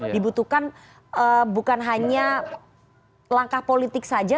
dibutuhkan bukan hanya langkah politik saja